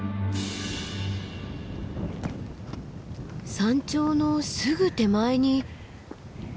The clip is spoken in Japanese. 山頂のすぐ手前に。